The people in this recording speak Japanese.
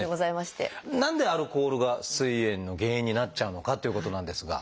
何でアルコールがすい炎の原因になっちゃうのかっていうことなんですが。